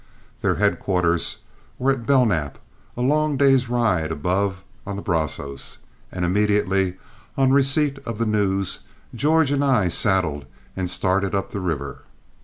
Their headquarters were at Belknap, a long day's ride above, on the Brazos; and immediately, on receipt of the news, George and I saddled, and started up the river.